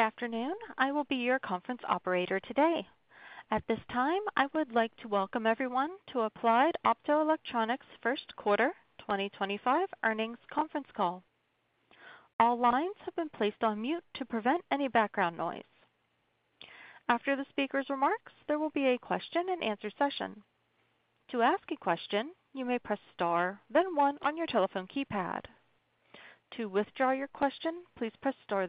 Good afternoon. I will be your conference operator today. At this time, I would like to welcome everyone to Applied Optoelectronics' First Quarter 2025 Earnings Conference Call. All lines have been placed on mute to prevent any background noise. After the speaker's remarks, there will be a question-and-answer session. To ask a question, you may press star, then one on your telephone keypad. To withdraw your question, please press star,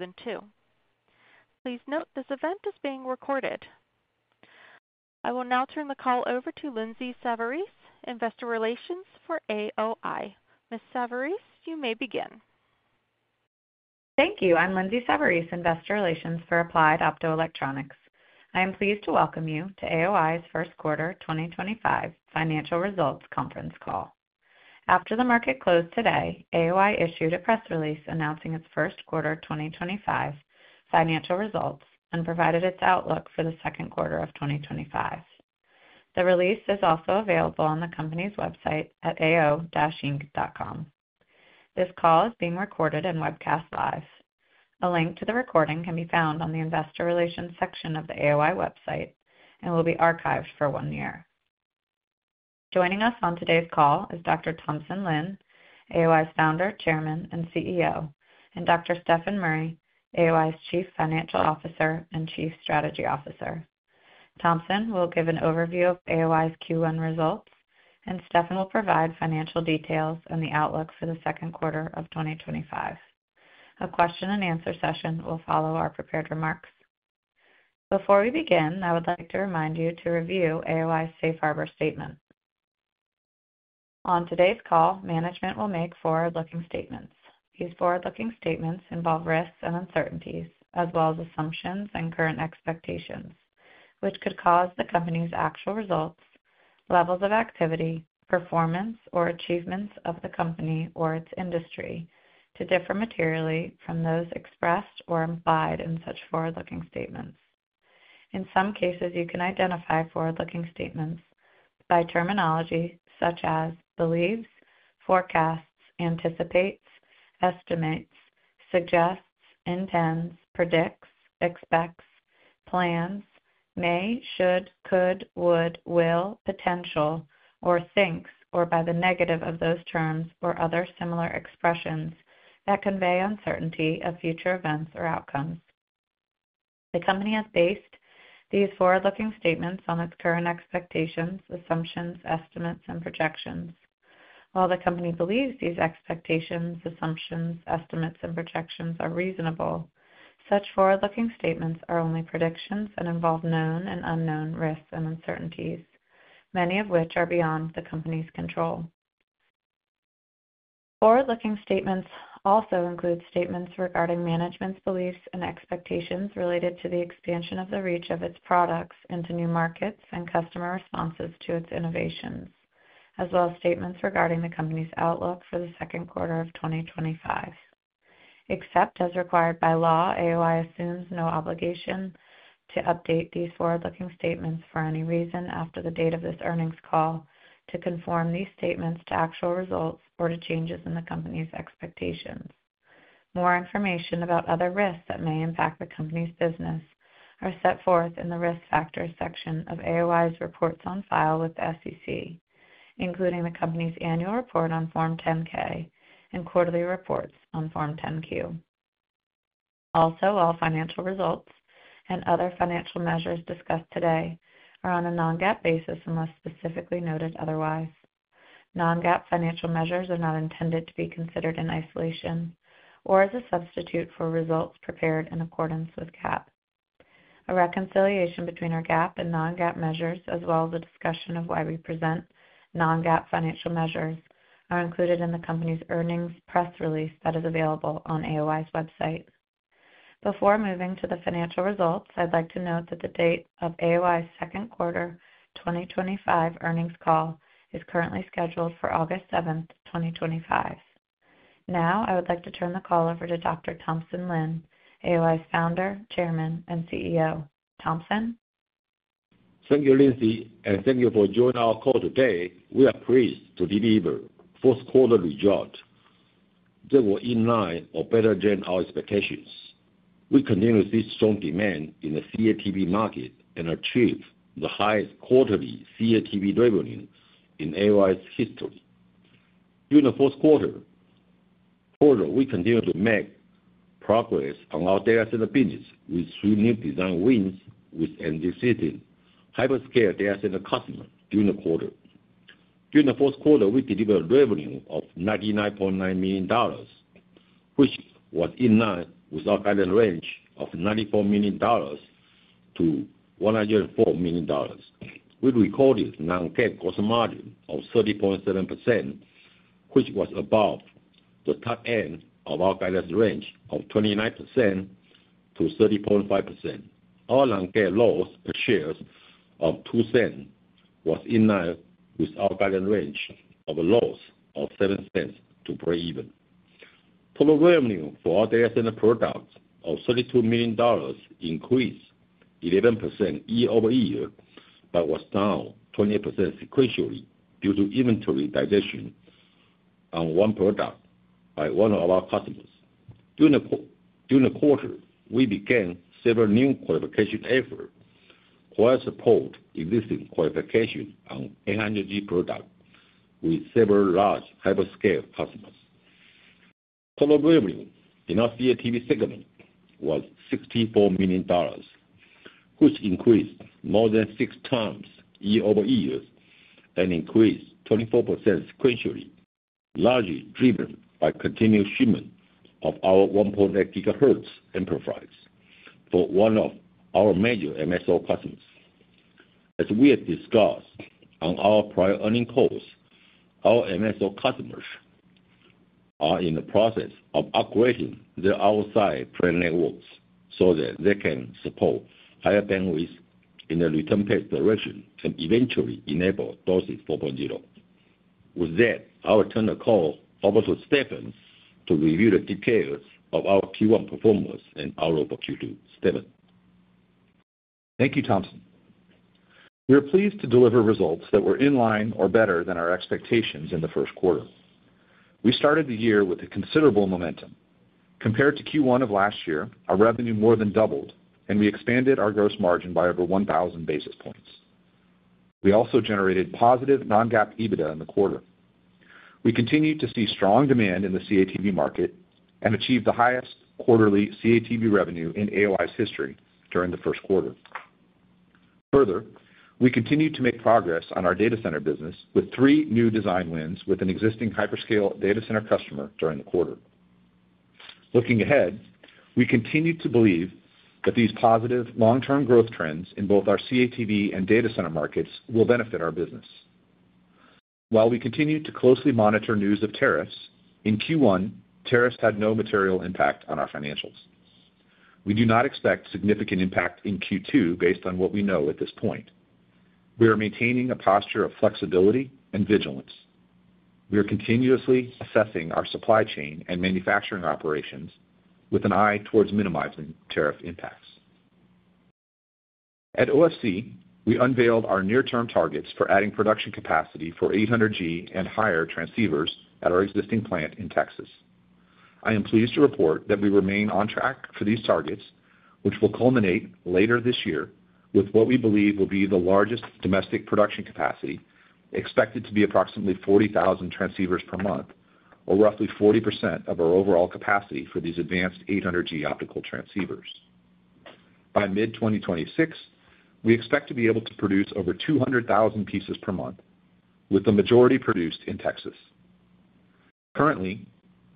then two. Please note this event is being recorded. I will now turn the call over to Lindsay Savarese, Investor Relations for AOI. Ms. Savarese, you may begin. Thank you. I'm Lindsay Savarese, Investor Relations for Applied Optoelectronics. I am pleased to welcome you to AOI's First Quarter 2025 Financial Results conference call. After the market closed today, AOI issued a press release announcing its First Quarter 2025 Financial Results and provided its outlook for the second quarter of 2025. The release is also available on the company's website at ao-inc.com. This call is being recorded and webcast live. A link to the recording can be found on the Investor Relations section of the AOI website and will be archived for one year. Joining us on today's call is Dr. Thompson Lin, AOI's Founder, Chairman, and CEO, and Dr. Stefan Murry, AOI's Chief Financial Officer and Chief Strategy Officer. Thompson will give an overview of AOI's Q1 results, and Stefan will provide financial details and the outlook for the second quarter of 2025. A question-and-answer session will follow our prepared remarks. Before we begin, I would like to remind you to review AOI's safe harbor statement. On today's call, management will make forward-looking statements. These forward-looking statements involve risks and uncertainties, as well as assumptions and current expectations, which could cause the company's actual results, levels of activity, performance, or achievements of the company or its industry to differ materially from those expressed or implied in such forward-looking statements. In some cases, you can identify forward-looking statements by terminology such as believes, forecasts, anticipates, estimates, suggests, intends, predicts, expects, plans, may, should, could, would, will, potential, or thinks, or by the negative of those terms or other similar expressions that convey uncertainty of future events or outcomes. The company has based these forward-looking statements on its current expectations, assumptions, estimates, and projections. While the company believes these expectations, assumptions, estimates, and projections are reasonable, such forward-looking statements are only predictions and involve known and unknown risks and uncertainties, many of which are beyond the company's control. Forward-looking statements also include statements regarding management's beliefs and expectations related to the expansion of the reach of its products into new markets and customer responses to its innovations, as well as statements regarding the company's outlook for the second quarter of 2025. Except as required by law, AOI assumes no obligation to update these forward-looking statements for any reason after the date of this earnings call to conform these statements to actual results or to changes in the company's expectations. More information about other risks that may impact the company's business is set forth in the risk factors section of AOI's reports on file with the SEC, including the company's annual report on Form 10-K and quarterly reports on Form 10-Q. Also, all financial results and other financial measures discussed today are on a non-GAAP basis unless specifically noted otherwise. Non-GAAP financial measures are not intended to be considered in isolation or as a substitute for results prepared in accordance with GAAP. A reconciliation between our GAAP and non-GAAP measures, as well as a discussion of why we present non-GAAP financial measures, is included in the company's earnings press release that is available on AOI's website. Before moving to the financial results, I'd like to note that the date of AOI's Second Quarter 2025 Earnings Call is currently scheduled for August 7th, 2025. Now, I would like to turn the call over to Dr. Thompson Lin, AOI's founder, Chairman, and CEO. Thompson. Thank you, Lindsay, and thank you for joining our call today. We are pleased to deliver first quarter results that were in line or better than our expectations. We continue to see strong demand in the CATV market and achieve the highest quarterly CATV revenue in AOI's history. During the first quarter, we continue to make progress on our data center business with three new design wins with NDC, hyperscale data center customers during the quarter. During the first quarter, we delivered a revenue of $99.9 million, which was in line with our guidance range of $94 million-$104 million. We recorded non-GAAP gross margin of 30.7%, which was above the top end of our guidance range of 29%-30.5%. Our non-GAAP loss per share of $0.02 was in line with our guidance range of a loss of $0.07 to break even. Total revenue for our data center products of $32 million increased 11% year-over-year but was down 28% sequentially due to inventory digestion on one product by one of our customers. During the quarter, we began several new qualification efforts to support existing qualifications on 800G products with several large hyperscale customers. Total revenue in our CATV segment was $64 million, which increased more than 6x year-over-year and increased 24% sequentially, largely driven by continuous shipment of our 1.8 GHz enterprise for one of our major MSO customers. As we have discussed on our prior earnings calls, our MSO customers are in the process of upgrading their outside plant networks so that they can support higher bandwidth in the return path direction and eventually enable DOCSIS 4.0. With that, I will turn the call over to Stefan to review the details of our Q1 performance and outlook for Q2. Stefan. Thank you, Thompson. We are pleased to deliver results that were in line or better than our expectations in the first quarter. We started the year with a considerable momentum. Compared to Q1 of last year, our revenue more than doubled, and we expanded our gross margin by over 1,000 basis points. We also generated positive non-GAAP EBITDA in the quarter. We continue to see strong demand in the CATV market and achieve the highest quarterly CATV revenue in AOI's history during the first quarter. Further, we continue to make progress on our data center business with three new design wins with an existing hyperscale data center customer during the quarter. Looking ahead, we continue to believe that these positive long-term growth trends in both our CATV and data center markets will benefit our business. While we continue to closely monitor news of tariffs, in Q1, tariffs had no material impact on our financials. We do not expect significant impact in Q2 based on what we know at this point. We are maintaining a posture of flexibility and vigilance. We are continuously assessing our supply chain and manufacturing operations with an eye towards minimizing tariff impacts. At OFC, we unveiled our near-term targets for adding production capacity for 800G and higher transceivers at our existing plant in Texas. I am pleased to report that we remain on track for these targets, which will culminate later this year with what we believe will be the largest domestic production capacity, expected to be approximately 40,000 transceivers per month, or roughly 40% of our overall capacity for these advanced 800G optical transceivers. By mid-2026, we expect to be able to produce over 200,000 pieces per month, with the majority produced in Texas. Currently,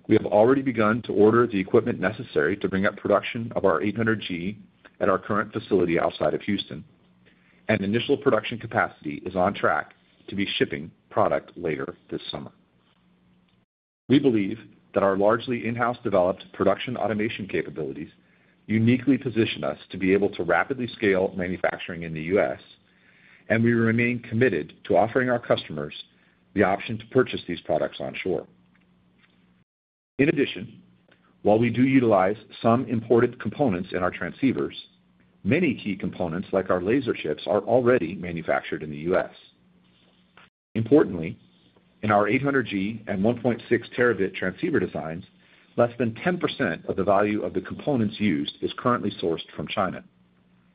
we have already begun to order the equipment necessary to bring up production of our 800G at our current facility outside of Houston, and initial production capacity is on track to be shipping product later this summer. We believe that our largely in-house developed production automation capabilities uniquely position us to be able to rapidly scale manufacturing in the U.S., and we remain committed to offering our customers the option to purchase these products onshore. In addition, while we do utilize some imported components in our transceivers, many key components like our laser chips are already manufactured in the U.S. Importantly, in our 800G and 1.6T transceiver designs, less than 10% of the value of the components used is currently sourced from China,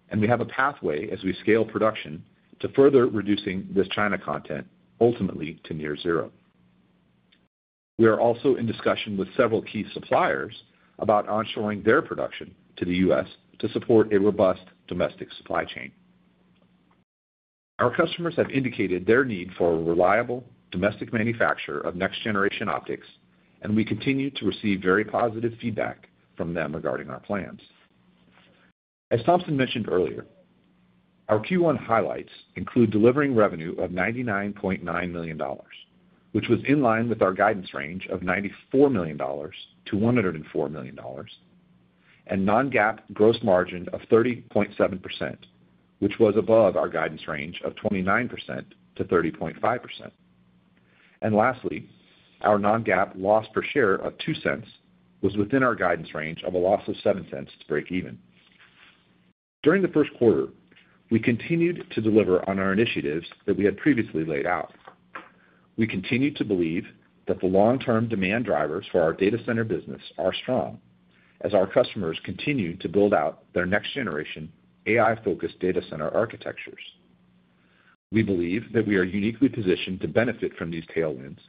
and we have a pathway as we scale production to further reduce this China content, ultimately to near zero. We are also in discussion with several key suppliers about onshoring their production to the U.S. to support a robust domestic supply chain. Our customers have indicated their need for a reliable domestic manufacturer of next-generation optics, and we continue to receive very positive feedback from them regarding our plans. As Thompson mentioned earlier, our Q1 highlights include delivering revenue of $99.9 million, which was in line with our guidance range of $94 million-$104 million, and non-GAAP gross margin of 30.7%, which was above our guidance range of 29%-30.5%. Lastly, our non-GAAP loss per share of $0.02 was within our guidance range of a loss of $0.07 to break even. During the first quarter, we continued to deliver on our initiatives that we had previously laid out. We continue to believe that the long-term demand drivers for our data center business are strong as our customers continue to build out their next-generation AI-focused data center architectures. We believe that we are uniquely positioned to benefit from these tailwinds,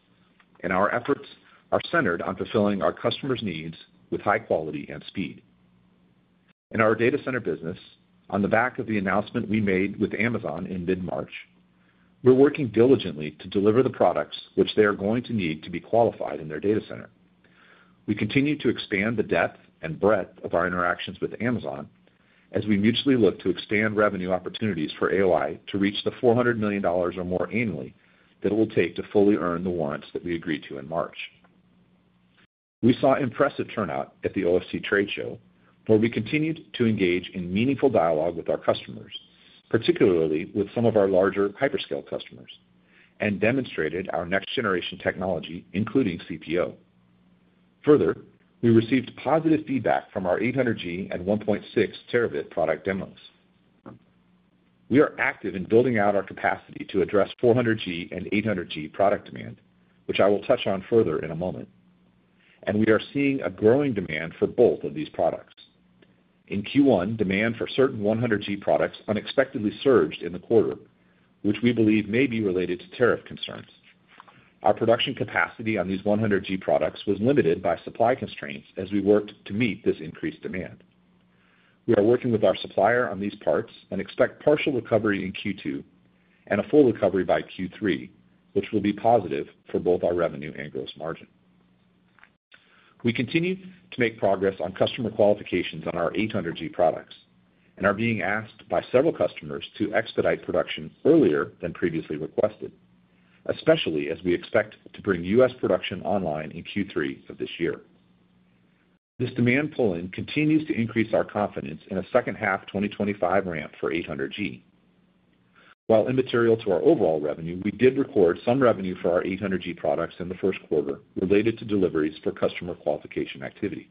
and our efforts are centered on fulfilling our customers' needs with high quality and speed. In our data center business, on the back of the announcement we made with Amazon in mid-March, we are working diligently to deliver the products which they are going to need to be qualified in their data center. We continue to expand the depth and breadth of our interactions with Amazon as we mutually look to expand revenue opportunities for AOI to reach the $400 million or more annually that it will take to fully earn the warrants that we agreed to in March. We saw impressive turnout at the OFC trade show, where we continued to engage in meaningful dialogue with our customers, particularly with some of our larger hyperscale customers, and demonstrated our next-generation technology, including CPO. Further, we received positive feedback from our 800G and 1.6T product demos. We are active in building out our capacity to address 400G and 800G product demand, which I will touch on further in a moment, and we are seeing a growing demand for both of these products. In Q1, demand for certain 100G products unexpectedly surged in the quarter, which we believe may be related to tariff concerns. Our production capacity on these 100G products was limited by supply constraints as we worked to meet this increased demand. We are working with our supplier on these parts and expect partial recovery in Q2 and a full recovery by Q3, which will be positive for both our revenue and gross margin. We continue to make progress on customer qualifications on our 800G products and are being asked by several customers to expedite production earlier than previously requested, especially as we expect to bring U.S. production online in Q3 of this year. This demand pull-in continues to increase our confidence in a second-half 2025 ramp for 800G. While immaterial to our overall revenue, we did record some revenue for our 800G products in the first quarter related to deliveries for customer qualification activity.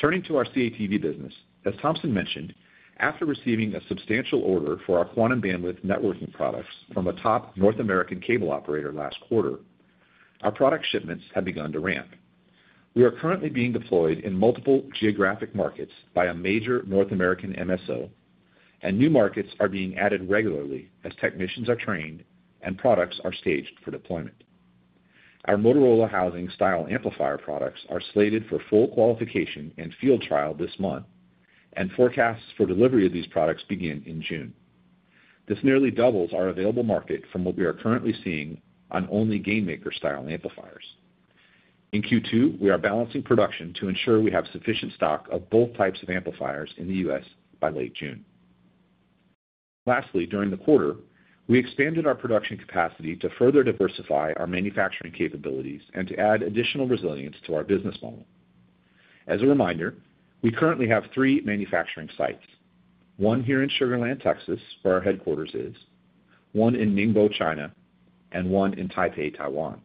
Turning to our CATV business, as Thompson mentioned, after receiving a substantial order for our quantum bandwidth networking products from a top North American cable operator last quarter, our product shipments have begun to ramp. We are currently being deployed in multiple geographic markets by a major North American MSO, and new markets are being added regularly as technicians are trained and products are staged for deployment. Our Motorola housing style amplifier products are slated for full qualification and field trial this month, and forecasts for delivery of these products begin in June. This nearly doubles our available market from what we are currently seeing on only GainMaker style amplifiers. In Q2, we are balancing production to ensure we have sufficient stock of both types of amplifiers in the U.S. by late June. Lastly, during the quarter, we expanded our production capacity to further diversify our manufacturing capabilities and to add additional resilience to our business model. As a reminder, we currently have three manufacturing sites: one here in Sugar Land, Texas, where our headquarters is, one in Ningbo, China, and one in Taipei, Taiwan.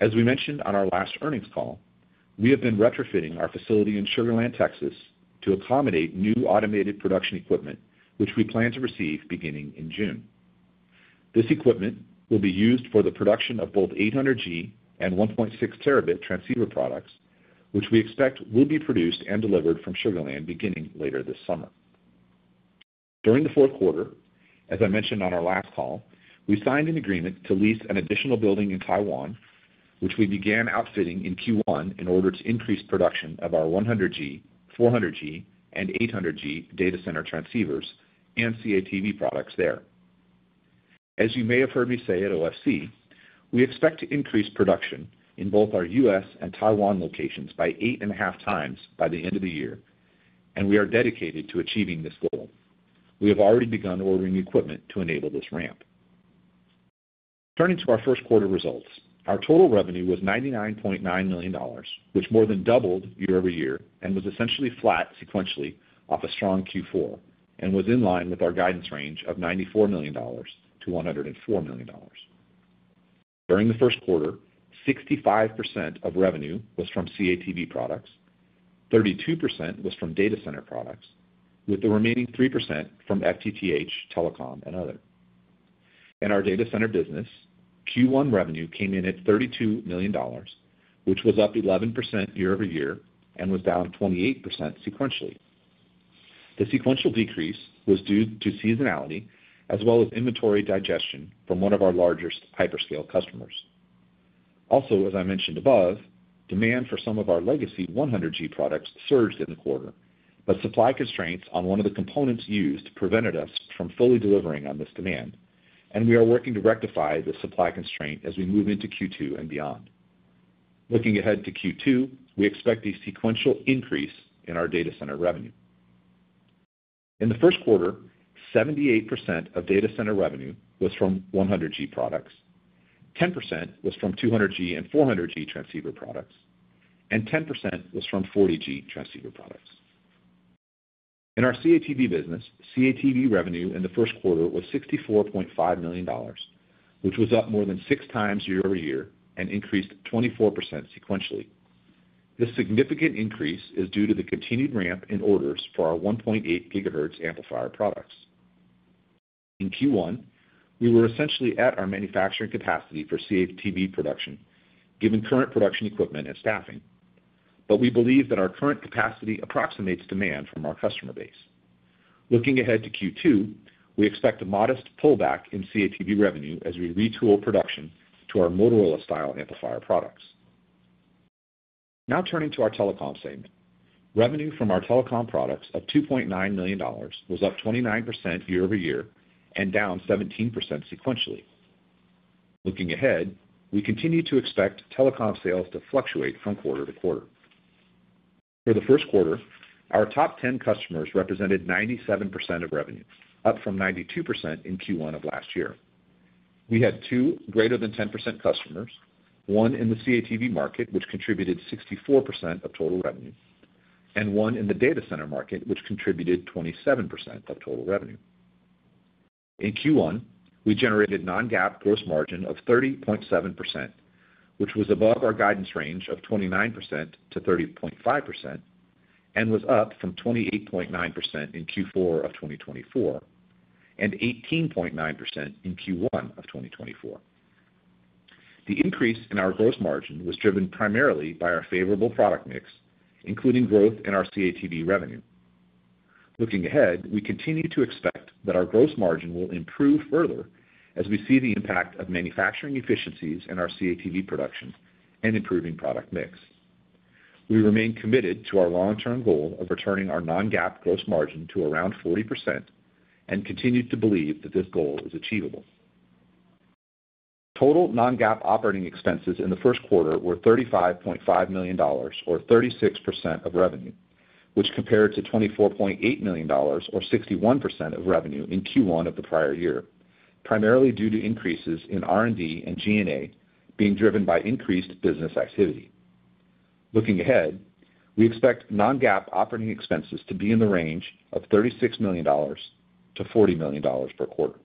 As we mentioned on our last earnings call, we have been retrofitting our facility in Sugar Land, Texas, to accommodate new automated production equipment, which we plan to receive beginning in June. This equipment will be used for the production of both 800G and 1.6T transceiver products, which we expect will be produced and delivered from Sugar Land beginning later this summer. During the fourth quarter, as I mentioned on our last call, we signed an agreement to lease an additional building in Taiwan, which we began outfitting in Q1 in order to increase production of our 100G, 400G, and 800G data center transceivers and CATV products there. As you may have heard me say at OFC, we expect to increase production in both our U.S. and Taiwan locations by eight and a half times by the end of the year, and we are dedicated to achieving this goal. We have already begun ordering equipment to enable this ramp. Turning to our first quarter results, our total revenue was $99.9 million, which more than doubled year-over-year and was essentially flat sequentially off a strong Q4 and was in line with our guidance range of $94 million-$104 million. During the first quarter, 65% of revenue was from CATV products, 32% was from data center products, with the remaining 3% from FTTH, Telecom, and other. In our data center business, Q1 revenue came in at $32 million, which was up 11% year-over-year and was down 28% sequentially. The sequential decrease was due to seasonality as well as inventory digestion from one of our largest hyperscale customers. Also, as I mentioned above, demand for some of our legacy 100G products surged in the quarter, but supply constraints on one of the components used prevented us from fully delivering on this demand, and we are working to rectify the supply constraint as we move into Q2 and beyond. Looking ahead to Q2, we expect a sequential increase in our data center revenue. In the first quarter, 78% of data center revenue was from 100G products, 10% was from 200G and 400G transceiver products, and 10% was from 40G transceiver products. In our CATV business, CATV revenue in the first quarter was $64.5 million, which was up more than 6x year-over-year and increased 24% sequentially. This significant increase is due to the continued ramp in orders for our 1.8 GHz amplifier products. In Q1, we were essentially at our manufacturing capacity for CATV production, given current production equipment and staffing, but we believe that our current capacity approximates demand from our customer base. Looking ahead to Q2, we expect a modest pullback in CATV revenue as we retool production to our Motorola style amplifier products. Now turning to our telecom segment, revenue from our telecom products of $2.9 million was up 29% year-over-year and down 17% sequentially. Looking ahead, we continue to expect telecom sales to fluctuate from quarter to quarter. For the first quarter, our top 10 customers represented 97% of revenue, up from 92% in Q1 of last year. We had two greater than 10% customers, one in the CATV market, which contributed 64% of total revenue, and one in the data center market, which contributed 27% of total revenue. In Q1, we generated non-GAAP gross margin of 30.7%, which was above our guidance range of 29%-30.5% and was up from 28.9% in Q4 of 2024 and 18.9% in Q1 of 2024. The increase in our gross margin was driven primarily by our favorable product mix, including growth in our CATV revenue. Looking ahead, we continue to expect that our gross margin will improve further as we see the impact of manufacturing efficiencies in our CATV production and improving product mix. We remain committed to our long-term goal of returning our non-GAAP gross margin to around 40% and continue to believe that this goal is achievable. Total non-GAAP operating expenses in the first quarter were $35.5 million, or 36% of revenue, which compared to $24.8 million, or 61% of revenue in Q1 of the prior year, primarily due to increases in R&D and G&A being driven by increased business activity. Looking ahead, we expect non-GAAP operating expenses to be in the range of $36 million-$40 million per quarter.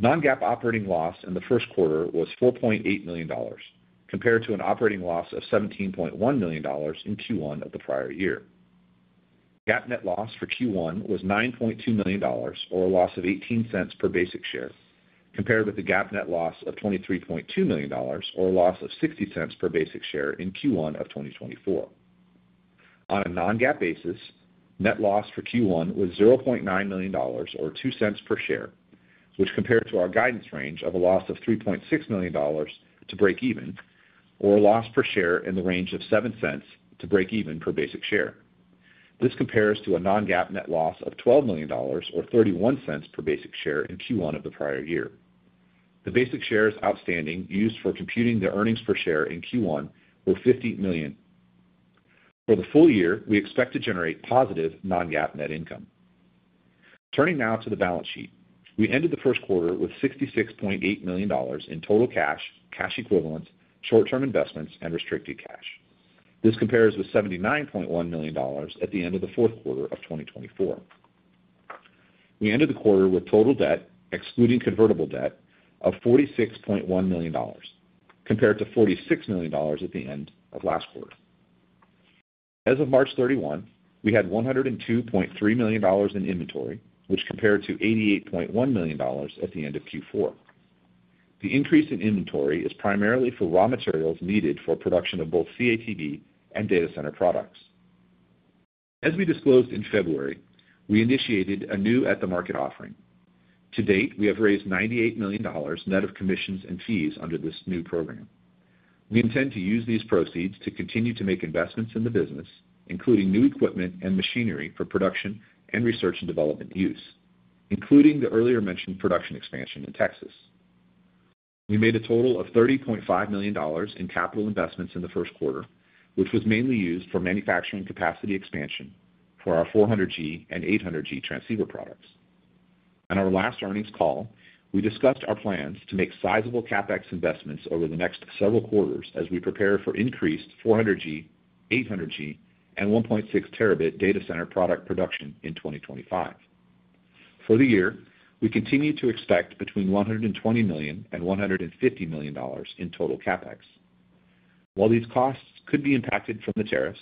Non-GAAP operating loss in the first quarter was $4.8 million, compared to an operating loss of $17.1 million in Q1 of the prior year. GAAP net loss for Q1 was $9.2 million, or a loss of $0.18 per basic share, compared with the GAAP net loss of $23.2 million, or a loss of $0.60 per basic share in Q1 of 2024. On a non-GAAP basis, net loss for Q1 was $0.9 million, or $0.02 per share, which compared to our guidance range of a loss of $3.6 million to break even, or a loss per share in the range of $0.07 to break even per basic share. This compares to a non-GAAP net loss of $12 million, or $0.31 per basic share in Q1 of the prior year. The basic shares outstanding used for computing the earnings per share in Q1 were 50 million. For the full year, we expect to generate positive non-GAAP net income. Turning now to the balance sheet, we ended the first quarter with $66.8 million in total cash, cash equivalents, short-term investments, and restricted cash. This compares with $79.1 million at the end of the fourth quarter of 2024. We ended the quarter with total debt, excluding convertible debt, of $46.1 million, compared to $46 million at the end of last quarter. As of March 31, we had $102.3 million in inventory, which compared to $88.1 million at the end of Q4. The increase in inventory is primarily for raw materials needed for production of both CATV and data center products. As we disclosed in February, we initiated a new at-the-market offering. To date, we have raised $98 million net of commissions and fees under this new program. We intend to use these proceeds to continue to make investments in the business, including new equipment and machinery for production and research and development use, including the earlier mentioned production expansion in Texas. We made a total of $30.5 million in capital investments in the first quarter, which was mainly used for manufacturing capacity expansion for our 400G and 800G transceiver products. On our last earnings call, we discussed our plans to make sizable CapEx investments over the next several quarters as we prepare for increased 400G, 800G, and 1.6T data center product production in 2025. For the year, we continue to expect between $120 million and $150 million in total CapEx. While these costs could be impacted from the tariffs,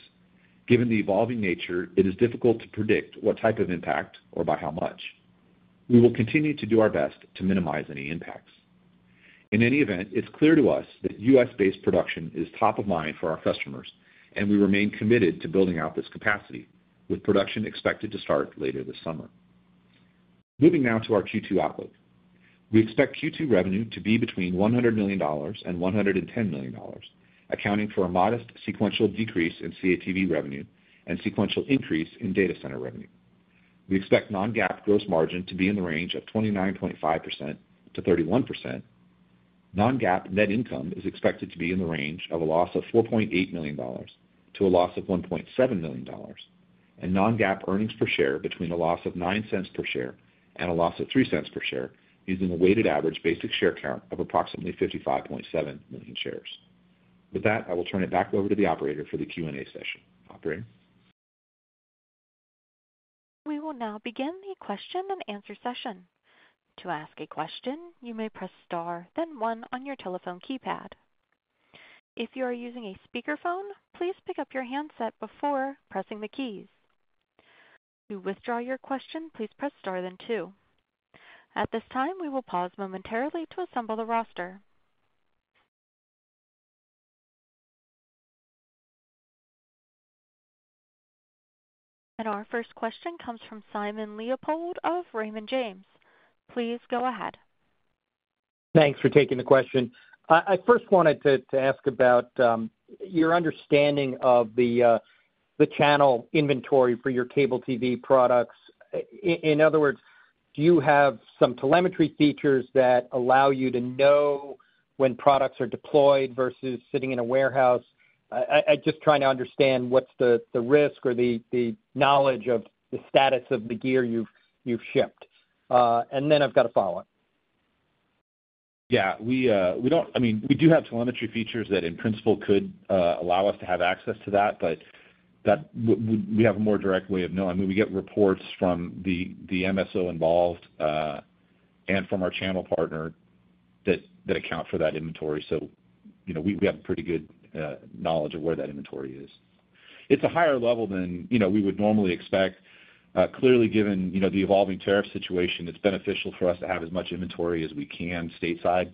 given the evolving nature, it is difficult to predict what type of impact or by how much. We will continue to do our best to minimize any impacts. In any event, it's clear to us that U.S.-based production is top of mind for our customers, and we remain committed to building out this capacity, with production expected to start later this summer. Moving now to our Q2 outlook, we expect Q2 revenue to be between $100 million and $110 million, accounting for a modest sequential decrease in CATV revenue and sequential increase in data center revenue. We expect non-GAAP gross margin to be in the range of 29.5%-31%. Non-GAAP net income is expected to be in the range of a loss of $4.8 million to a loss of $1.7 million, and non-GAAP earnings per share between a loss of $0.09 per share and a loss of $0.03 per share, using a weighted average basic share count of approximately 55.7 million shares. With that, I will turn it back over to the operator for the Q&A session. We will now begin the question and answer session. To ask a question, you may press star, then one on your telephone keypad. If you are using a speakerphone, please pick up your handset before pressing the keys. To withdraw your question, please press star, then two. At this time, we will pause momentarily to assemble the roster. Our first question comes from Simon Leopold of Raymond James. Please go ahead. Thanks for taking the question. I first wanted to ask about your understanding of the channel inventory for your cable TV products. In other words, do you have some telemetry features that allow you to know when products are deployed versus sitting in a warehouse? I'm just trying to understand what's the risk or the knowledge of the status of the gear you've shipped. I have a follow-up. I mean, we do have telemetry features that, in principle, could allow us to have access to that, but we have a more direct way of knowing. I mean, we get reports from the MSO involved and from our channel partner that account for that inventory. We have pretty good knowledge of where that inventory is. It is a higher level than we would normally expect. Clearly, given the evolving tariff situation, it is beneficial for us to have as much inventory as we can stateside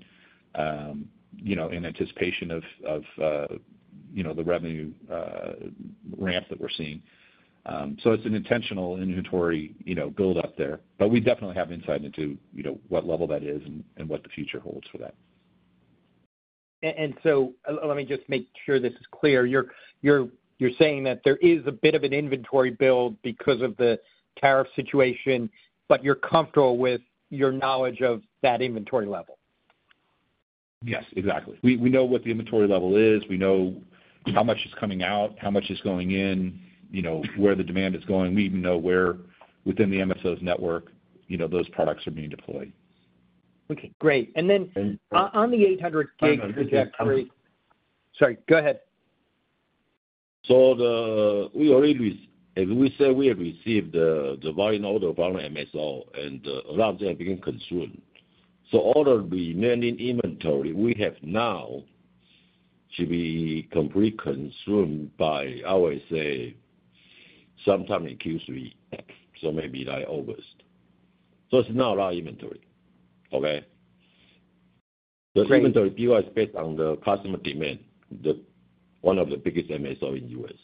in anticipation of the revenue ramp that we are seeing. It is an intentional inventory build-up there, but we definitely have insight into what level that is and what the future holds for that. Let me just make sure this is clear. You're saying that there is a bit of an inventory build because of the tariff situation, but you're comfortable with your knowledge of that inventory level. Yes, exactly. We know what the inventory level is. We know how much is coming out, how much is going in, where the demand is going. We even know where within the MSO's network those products are being deployed. Okay. Great. On the 800G projector. Sorry. Go ahead. We already said we had received the volume order from MSO, and a lot of them have been consumed. All the remaining inventory we have now should be completely consumed by, I would say, sometime in Q3, so maybe like August. It's not a lot of inventory, okay? The inventory POI is based on the customer demand, one of the biggest MSOs in the U.S..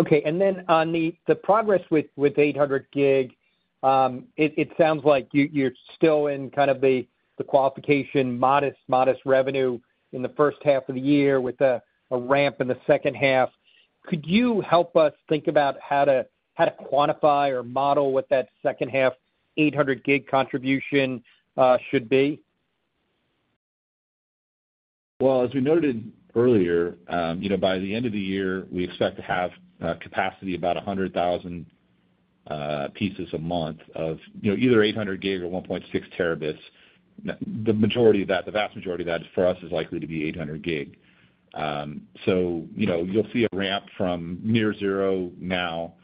Okay. On the progress with the 800G, it sounds like you're still in kind of the qualification, modest, modest revenue in the first half of the year with a ramp in the second half. Could you help us think about how to quantify or model what that second half 800G contribution should be? As we noted earlier, by the end of the year, we expect to have capacity about 100,000 pieces a month of either 800G or 1.6T. The majority of that, the vast majority of that for us is likely to be 800G. You will see a ramp from near zero now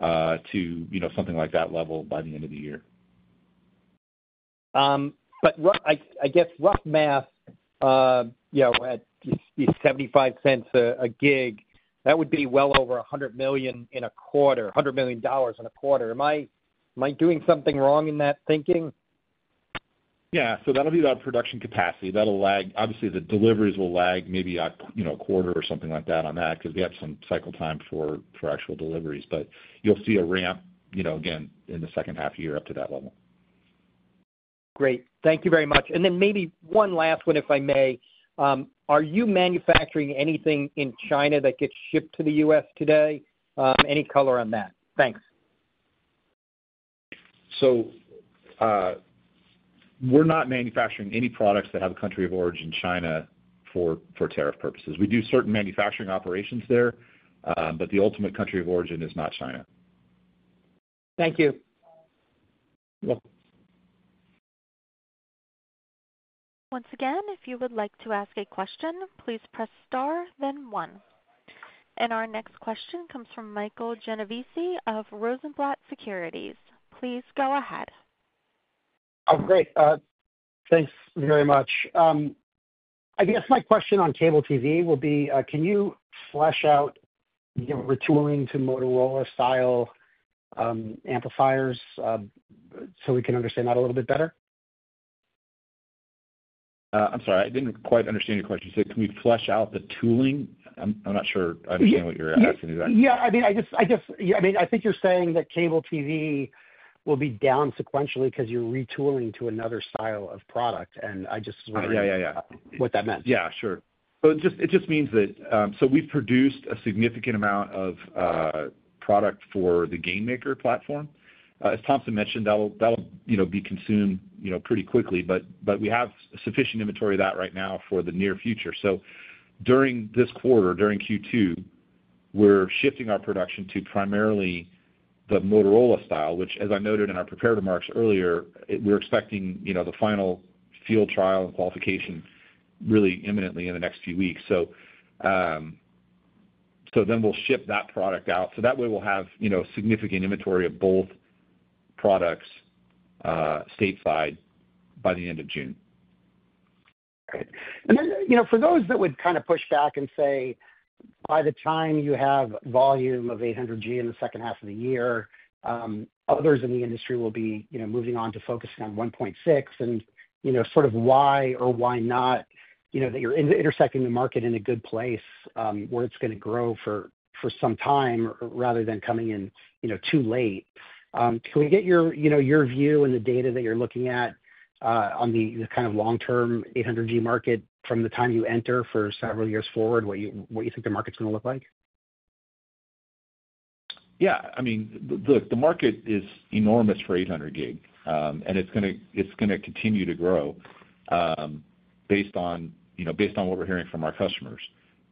to something like that level by the end of the year. I guess rough math at these $0.75 a gig, that would be well over $100 million in a quarter, $100 million in a quarter. Am I doing something wrong in that thinking? Yeah. That'll be about production capacity. Obviously, the deliveries will lag maybe a quarter or something like that on that because we have some cycle time for actual deliveries. You'll see a ramp, again, in the second half of the year up to that level. Great. Thank you very much. Maybe one last one, if I may. Are you manufacturing anything in China that gets shipped to the U.S. today? Any color on that? Thanks. We're not manufacturing any products that have a country of origin in China for tariff purposes. We do certain manufacturing operations there, but the ultimate country of origin is not China. Thank you. You're welcome. Once again, if you would like to ask a question, please press star, then one. Our next question comes from Michael Genovese of Rosenblatt Securities. Please go ahead. Oh, great. Thanks very much. I guess my question on cable TV will be, can you flesh out retooling to Motorola-style amplifiers so we can understand that a little bit better? I'm sorry. I didn't quite understand your question. You said, can we flesh out the tooling? I'm not sure I understand what you're asking exactly. Yeah. I mean, I guess I mean, I think you're saying that cable TV will be down sequentially because you're retooling to another style of product. I just wonder what that meant. Yeah. Sure. It just means that we've produced a significant amount of product for the GainMaker platform. As Thompson mentioned, that'll be consumed pretty quickly, but we have sufficient inventory of that right now for the near future. During this quarter, during Q2, we're shifting our production to primarily the Motorola style, which, as I noted in our preparatory marks earlier, we're expecting the final field trial and qualification really imminently in the next few weeks. Then we'll ship that product out. That way, we'll have significant inventory of both products stateside by the end of June. Great. For those that would kind of push back and say, by the time you have volume of 800G in the second half of the year, others in the industry will be moving on to focusing on 1.6T, and sort of why or why not that you're intersecting the market in a good place where it's going to grow for some time rather than coming in too late. Can we get your view and the data that you're looking at on the kind of long-term 800G market from the time you enter for several years forward, what you think the market's going to look like? Yeah. I mean, look, the market is enormous for 800G, and it's going to continue to grow based on what we're hearing from our customers.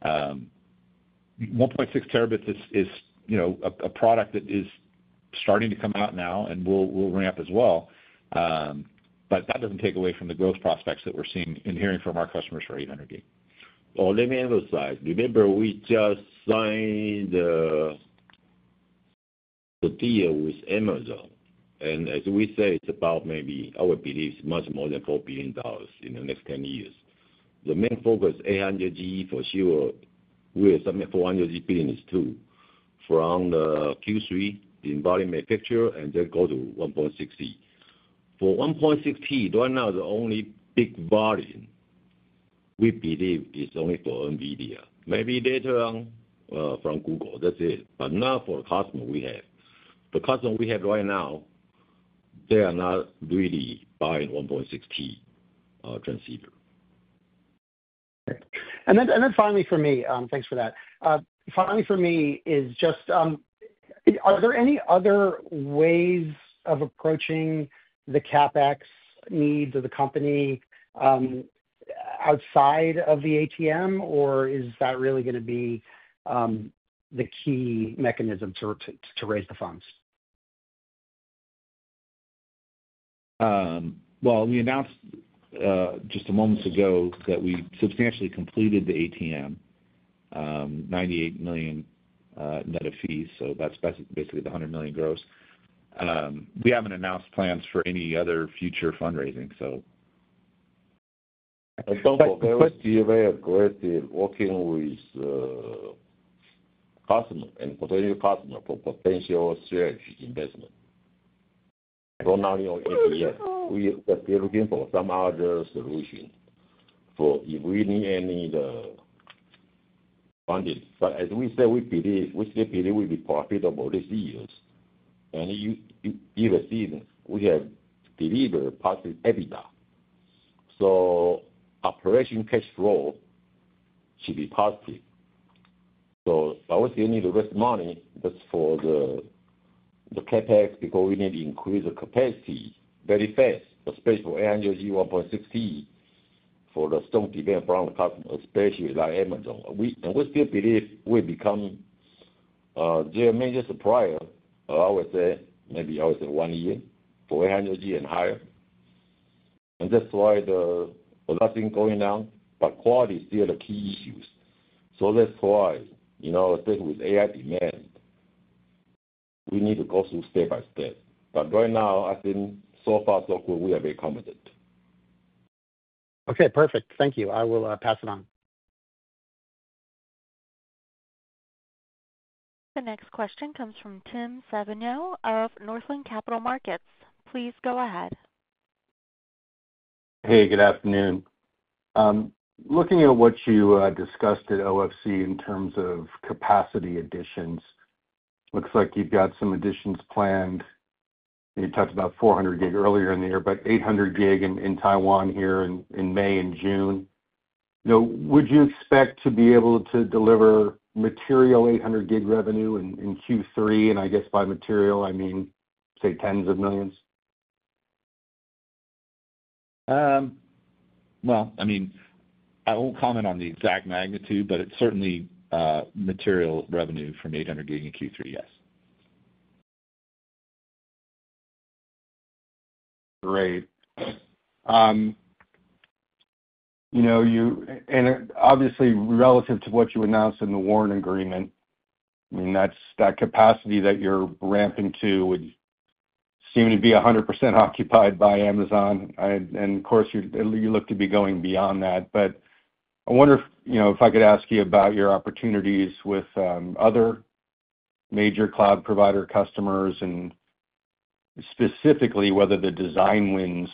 1.6T is a product that is starting to come out now, and we'll ramp as well. That doesn't take away from the growth prospects that we're seeing and hearing from our customers for 800G. On Amazon side, remember we just signed the deal with Amazon. As we say, it's about maybe, I would believe, much more than $4 billion in the next 10 years. The main focus, 800G for sure, we're assuming 400G billion is true from the Q3 in volume and picture, and then go to 1.6T. For 1.6T, right now, the only big volume we believe is only for NVIDIA. Maybe later on from Google. That's it. Not for the customer we have. The customer we have right now, they are not really buying 1.6T transceiver. Okay. Finally for me, thanks for that. Finally for me is just, are there any other ways of approaching the CapEx needs of the company outside of the ATM, or is that really going to be the key mechanism to raise the funds? We announced just a moment ago that we substantially completed the ATM, $98 million net of fees. That's basically the $100 million gross. We haven't announced plans for any other future fundraising. I thought there was a DOA request working with customer and potential customer for potential strategic investment. We're not looking for some other solution for if we need any funding. As we say, we still believe we'll be profitable this year. You've seen we have delivered positive EBITDA. Operation cash flow should be positive. I would say we need to raise money just for the CapEx because we need to increase the capacity very fast, especially for 800G, 1.6T, for the strong demand from the customer, especially like Amazon. We still believe we become their major supplier, I would say, maybe I would say one year for 800G and higher. That's why the last thing going down, but quality is still a key issue. I would say with AI demand, we need to go through step by step. Right now, I think so far, so far, we are very confident. Okay. Perfect. Thank you. I will pass it on. The next question comes from Tim Savageaux of Northland Capital Markets. Please go ahead. Hey, good afternoon. Looking at what you discussed at OFC in terms of capacity additions, looks like you've got some additions planned. You talked about 400G earlier in the year, but 800G in Taiwan here in May and June. Would you expect to be able to deliver material 800G revenue in Q3? I guess by material, I mean, say, tens of millions? I mean, I won't comment on the exact magnitude, but it's certainly material revenue from 800G in Q3, yes. Great. Obviously, relative to what you announced in the warrant agreement, that capacity that you're ramping to would seem to be 100% occupied by Amazon. Of course, you look to be going beyond that. I wonder if I could ask you about your opportunities with other major cloud provider customers and specifically whether the design wins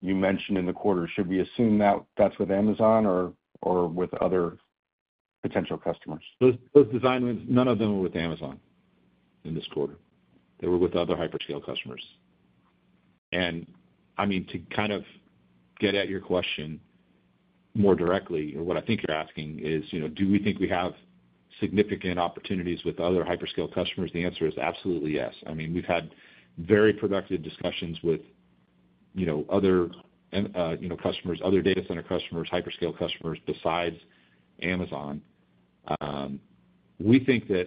you mentioned in the quarter should be assumed that that's with Amazon or with other potential customers. Those design wins, none of them were with Amazon in this quarter. They were with other hyperscale customers. I mean, to kind of get at your question more directly, or what I think you're asking is, do we think we have significant opportunities with other hyperscale customers? The answer is absolutely yes. I mean, we've had very productive discussions with other customers, other data center customers, hyperscale customers besides Amazon. We think that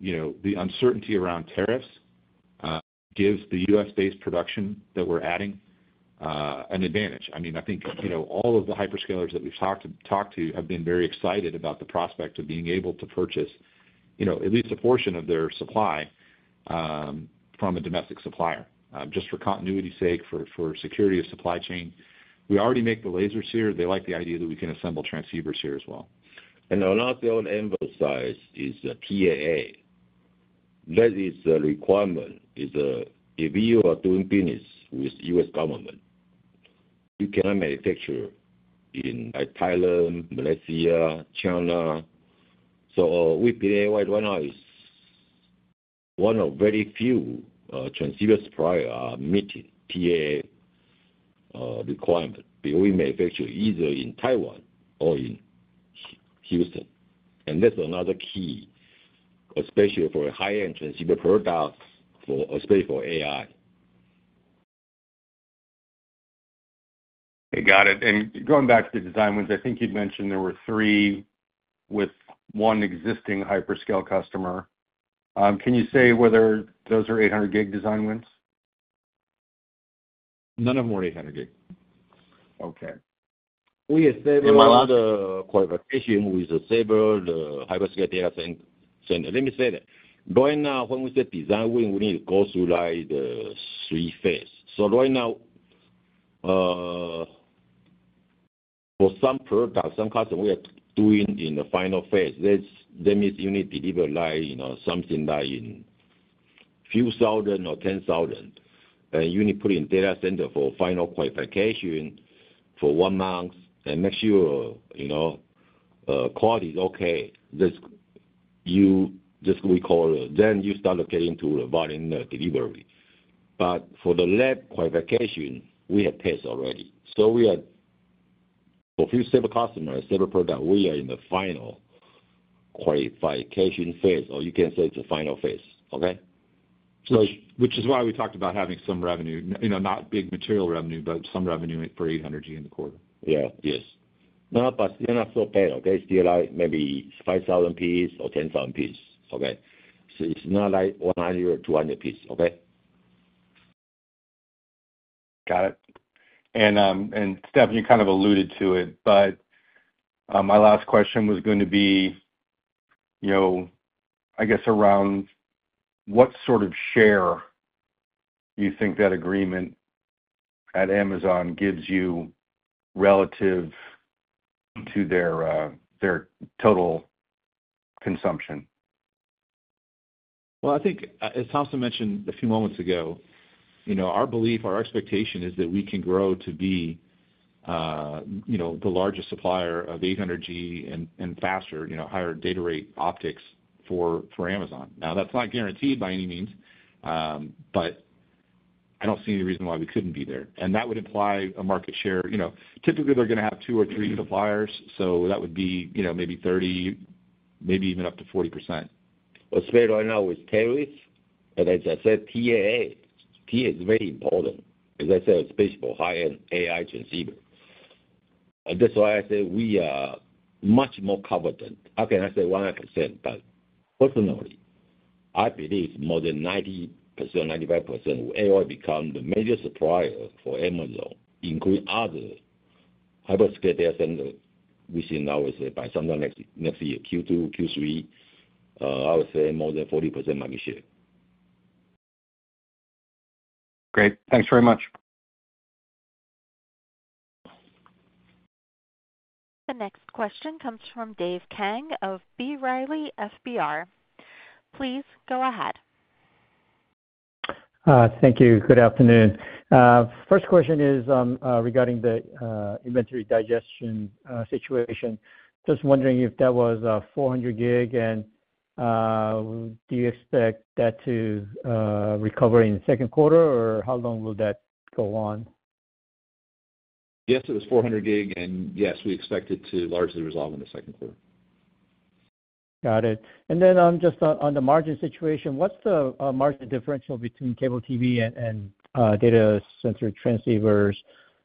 the uncertainty around tariffs gives the U.S.-based production that we're adding an advantage. I mean, I think all of the hyperscalers that we've talked to have been very excited about the prospect of being able to purchase at least a portion of their supply from a domestic supplier. Just for continuity's sake, for security of supply chain, we already make the lasers here. They like the idea that we can assemble transceivers here as well. On the other hand, on Amazon side, is the TAA. That is a requirement. If you are doing business with the U.S. government, you cannot manufacture in Thailand, Malaysia, China. We believe right now it's one of very few transceiver suppliers meeting TAA requirement. We manufacture either in Taiwan or in Houston. That's another key, especially for high-end transceiver products, especially for AI. I got it. Going back to the design wins, I think you'd mentioned there were three with one existing hyperscale customer. Can you say whether those are 800G design wins? None of them were 800G. Okay. We have several other qualifications with the several hyperscale data center. Let me say that. Right now, when we say design win, we need to go through the three phases. Right now, for some products, some customers we are doing in the final phase, that means you need to deliver something like in a few thousand or 10,000. You need to put in data center for final qualification for one month and make sure quality is okay. That is what we call it. You start looking into the volume delivery. For the lab qualification, we have tests already. For a few several customers, several product, we are in the final qualification phase, or you can say it is the final phase. Okay? Which is why we talked about having some revenue, not big material revenue, but some revenue for 800G in the quarter. Yes. No, but they're not so bad. Still like maybe 5,000 pieces or 10,000 pieces. It's not like 100 or 200 pieces. Got it. Stefan, you kind of alluded to it, but my last question was going to be, I guess, around what sort of share you think that agreement at Amazon gives you relative to their total consumption. I think, as Thompson mentioned a few moments ago, our belief, our expectation is that we can grow to be the largest supplier of 800G and faster, higher data rate optics for Amazon. That's not guaranteed by any means, but I don't see any reason why we couldn't be there. That would imply a market share. Typically, they're going to have two or three suppliers, so that would be maybe 30%, maybe even up to 40%. Right now with tariffs, and as I said, TAA, TAA is very important. As I said, it's basically for high-end AI transceiver. That's why I say we are much more competent. I can't say 100%, but personally, I believe more than 90%, 95%, AI becomes the major supplier for Amazon, including other hyperscale data centers. We see now, I would say, by sometime next year, Q2, Q3, I would say more than 40% market share. Great. Thanks very much. The next question comes from Dave Kang of B. Riley FBR. Please go ahead. Thank you. Good afternoon. First question is regarding the inventory digestion situation. Just wondering if that was 400G, and do you expect that to recover in the second quarter, or how long will that go on? Yes, it was 400G, and yes, we expect it to largely resolve in the second quarter. Got it. Just on the margin situation, what's the margin differential between cable TV and data center transceivers?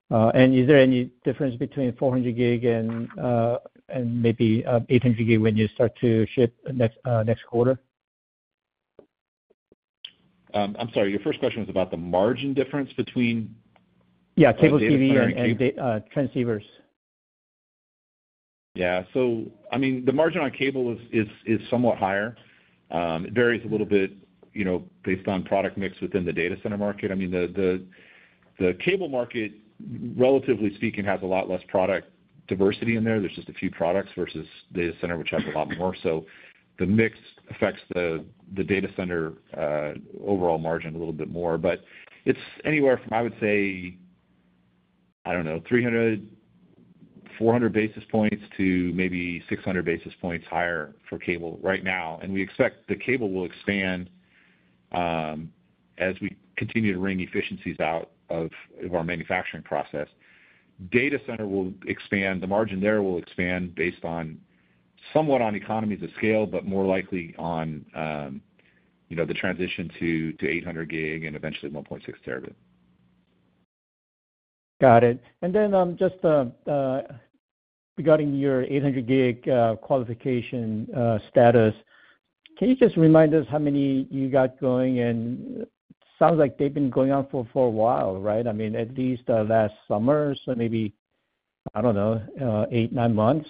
Is there any difference between 400G and maybe 800G when you start to ship next quarter? I'm sorry. Your first question was about the margin difference between cable TV and transceivers. Yeah. I mean, the margin on cable is somewhat higher. It varies a little bit based on product mix within the data center market. I mean, the cable market, relatively speaking, has a lot less product diversity in there. There's just a few products versus data center, which has a lot more. The mix affects the data center overall margin a little bit more. It is anywhere from, I would say, I do not know, 300, 400 basis points to maybe 600 basis points higher for cable right now. We expect the cable will expand as we continue to wring efficiencies out of our manufacturing process. Data center will expand. The margin there will expand based on somewhat on economies of scale, but more likely on the transition to 800G and eventually 1.6T. Got it. Just regarding your 800G qualification status, can you just remind us how many you got going? It sounds like they have been going on for a while, right? I mean, at least last summer, so maybe, I do not know, eight, nine months.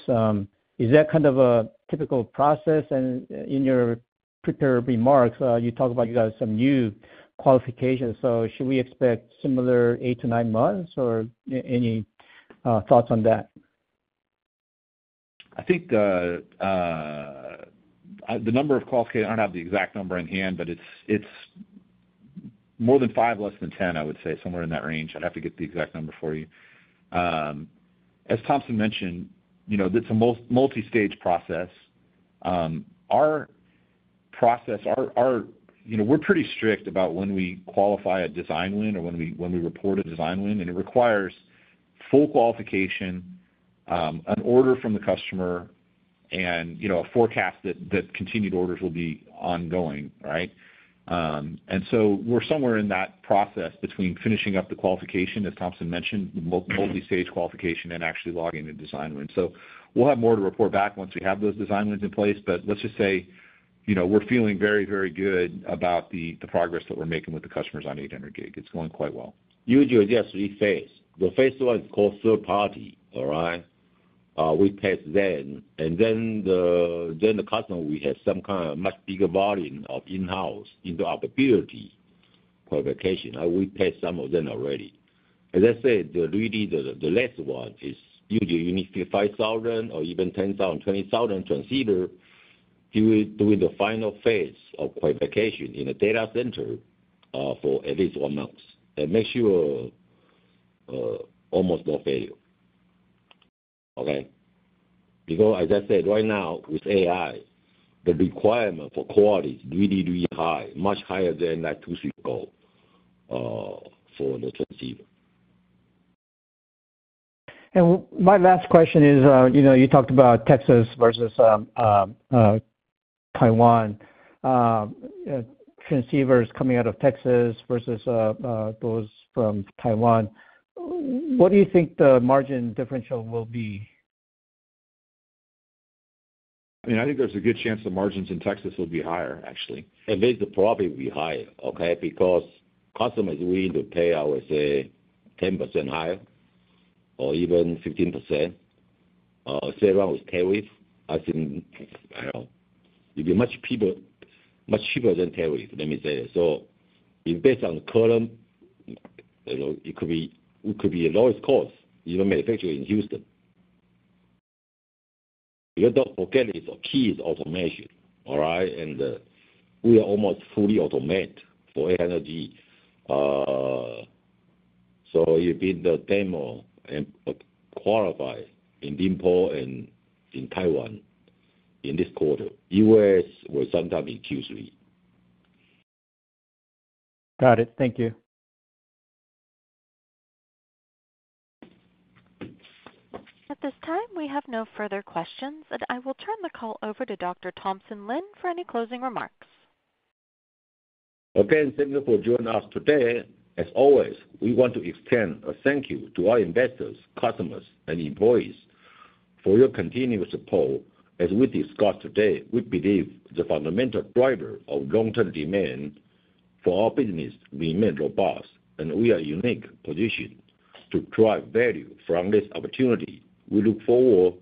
Is that kind of a typical process? In your prepared remarks, you talked about you got some new qualifications. Should we expect similar eight to nine months or any thoughts on that? I think the number of qualifications—I do not have the exact number in hand, but it is more than five, less than 10, I would say, somewhere in that range. I would have to get the exact number for you. As Thompson mentioned, it is a multi-stage process. Our process, we are pretty strict about when we qualify a design win or when we report a design win. It requires full qualification, an order from the customer, and a forecast that continued orders will be ongoing, right? We are somewhere in that process between finishing up the qualification, as Thompson mentioned, multi-stage qualification, and actually logging the design win. We will have more to report back once we have those design wins in place. Let's just say we're feeling very, very good about the progress that we're making with the customers on 800G. It's going quite well. Huge with the three phases. The first one is called third party, all right? We test them. Then the customer, we have some kind of much bigger volume of in-house into our opportunity qualification. We test some of them already. As I said, really, the last one is usually you need 5,000 or even 10,000-20,000 transceivers during the final phase of qualification in the data center for at least one month. Make sure almost no failure. Okay? Because, as I said, right now, with AI, the requirement for quality is really, really high, much higher than that two-stream goal for the transceiver. My last question is, you talked about Texas versus Taiwan, transceivers coming out of Texas versus those from Taiwan. What do you think the margin differential will be? I mean, I think there's a good chance the margins in Texas will be higher, actually. There's a probability of being higher, okay? Because customers will need to pay, I would say, 10% higher or even 15%. Same one with tariffs. I think, I don't know, it'd be much cheaper than tariffs, let me say. Based on the column, it could be the lowest cost, even manufacturing in Houston. Do not forget, it's a key automation, all right? We are almost fully automated for 800G. It will be the demo and qualified in Ningbo and in Taiwan in this quarter. U.S. will sometime in Q3. Got it. Thank you. At this time, we have no further questions. I will turn the call over to Dr. Thompson Lin for any closing remarks. Again, thank you for joining us today. As always, we want to extend a thank you to our investors, customers, and employees for your continued support. As we discussed today, we believe the fundamental driver of long-term demand for our business remains robust, and we are in a unique position to drive value from this opportunity. We look forward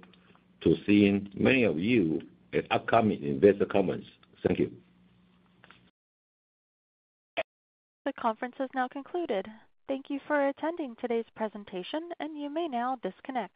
to seeing many of you at upcoming investor conferences. Thank you. The conference has now concluded. Thank you for attending today's presentation, and you may now disconnect.